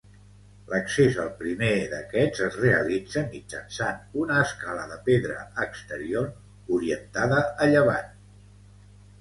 L'accés al primer d'aquests es realitza mitjançant una escala de pedra exterior orientada a llevant.